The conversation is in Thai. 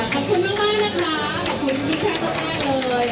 ขอบคุณมากนะคะขอบคุณทุกแชร์ทั้งหมดเลย